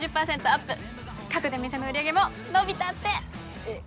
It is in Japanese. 各出店の売り上げも伸びたってえっ